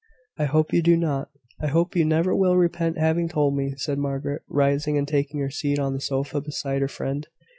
"I hope you do not I hope you never will repent having told me," said Margaret, rising and taking her seat on the sofa, beside her friend.